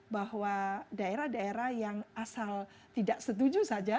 bahwa daerah daerah yang asal tidak setuju saja